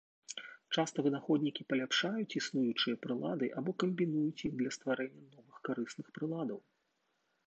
Часта вынаходнікі паляпшаюць існуючыя прылады або камбінуюць іх для стварэння новых карысных прыладаў.